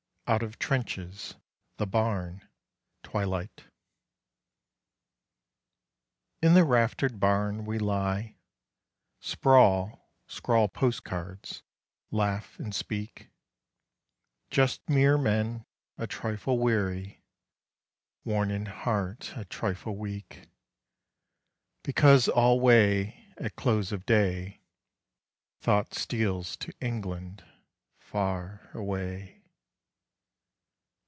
OUT OF TRENCHES: THE BARN, TWILIGHT In the raftered barn we lie, Sprawl, scrawl postcards, laugh and speak Just mere men a trifle weary, Worn in heart, a trifle weak: Because alway At close of day Thought steals to England far away....